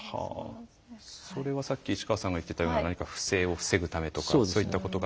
それは、さっき市川さんが言っていたような不正を防ぐといったそういったことが。